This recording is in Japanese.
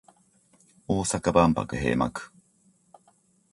大阪万博閉幕